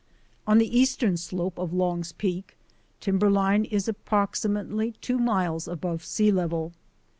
On the eastern slope of Long's Peak timberline is approximately two miles above sea level.